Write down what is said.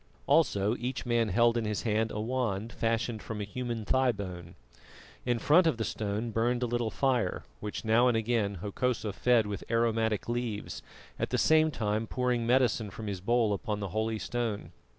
Also each man held in his hand a wand fashioned from a human thigh bone. In front of the stone burned a little fire, which now and again Hokosa fed with aromatic leaves, at the same time pouring medicine from his bowl upon the holy stone.